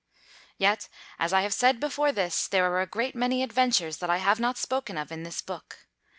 Yet, as I have said before this, there are a great many adventures that I have not spoken of in this book.